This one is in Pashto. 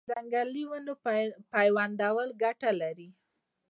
د ځنګلي ونو پیوندول ګټه لري؟